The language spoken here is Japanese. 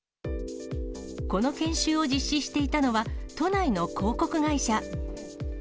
この研修を実施していたのは、都内の広告会社。